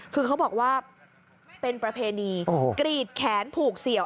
คือเขาบอกว่าเป็นประเพณีกรีดแขนผูกเสี่ยว